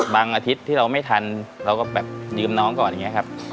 อาทิตย์ที่เราไม่ทันเราก็แบบยืมน้องก่อนอย่างนี้ครับ